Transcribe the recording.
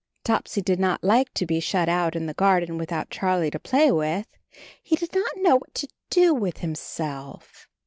Topsy did not like to be shut out in the garden without Charlie to play with ; he did not know what to do with himself.